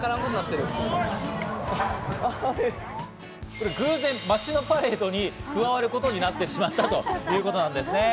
これ偶然、街のパレードに加わることになってしまったということなんですね。